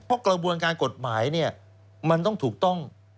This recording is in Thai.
เพราะกระบวนการกฎหมายเนี่ยมันต้องถูกต้อง